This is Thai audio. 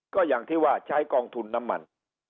ก็อย่างที่ว่าใช้กองทุนน้ำมัน